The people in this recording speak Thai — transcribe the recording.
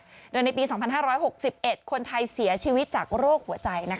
โดยในปี๒๕๖๑คนไทยเสียชีวิตจากโรคหัวใจ